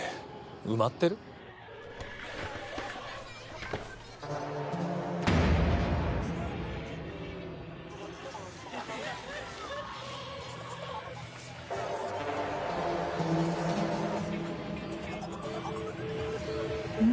埋まってる？ん？